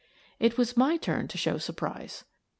It was my turn to show surprise.